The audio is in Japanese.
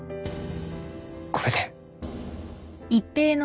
これで